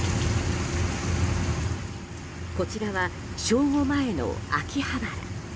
こちらは、正午前の秋葉原。